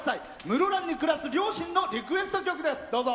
室蘭に暮らす両親のリクエスト曲です。